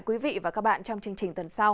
quý vị và các bạn trong chương trình tuần sau